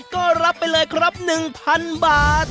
ก็รับไปเลยครับ๑๐๐๐บาท